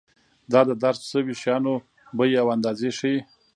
دا د درج شویو شیانو بیې او اندازې ښيي.